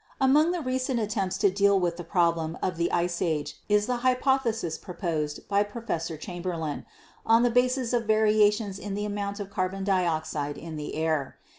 Among the recent attempts to deal with the problem of the Ice Age is the hypothesis proposed by Professor Chamberlin on the basis of variations in the amount of carbon dioxide in the air.